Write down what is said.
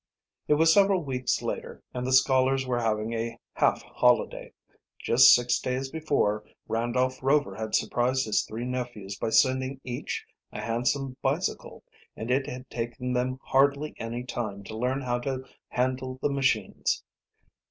It was several weeks later, and the scholars were having a half holiday. Just six days before, Randolph Rover had surprised his three nephews by sending each a handsome bicycle, and it had taken them hardly any time to learn how to handle the machines.